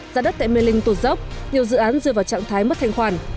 giá đất tại mê linh tụt dốc nhiều dự án rơi vào trạng thái mất thanh khoản